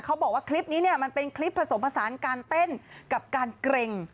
เขาบอกว่าคลิปนี้เนี่ยมันเป็นคลิปผสมผสานการเต้นกับการเกร็ง